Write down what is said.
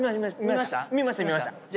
見ました？